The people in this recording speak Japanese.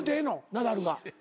ナダルが。